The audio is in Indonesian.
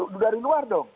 dari luar dong